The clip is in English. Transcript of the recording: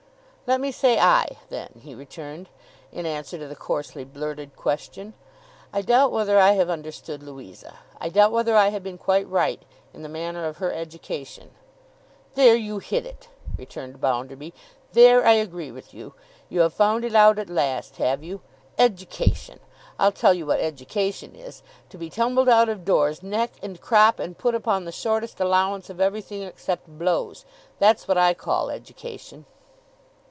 'Let me say I, then,' he returned, in answer to the coarsely blurted question; 'I doubt whether I have understood Louisa. I doubt whether I have been quite right in the manner of her education.' 'There you hit it,' returned Bounderby. 'There I agree with you. You have found it out at last, have you? Education! I'll tell you what education is—To be tumbled out of doors, neck and crop, and put upon the shortest allowance of everything except blows. That's what I call education.